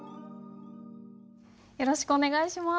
よろしくお願いします。